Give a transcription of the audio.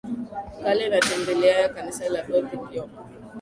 Kale na tembelea Kanisa la Gothic York